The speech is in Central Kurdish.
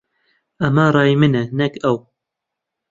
ئەمە ڕای منە، نەک ئەو.